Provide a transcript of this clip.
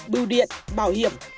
bưu điện bảo hiểm